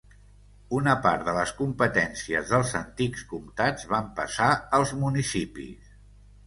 Una part de les competències dels antics comtats van passar als municipis.